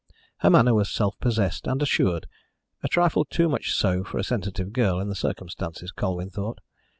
Her manner was self possessed and assured a trifle too much so for a sensitive girl in the circumstances, Colwyn thought.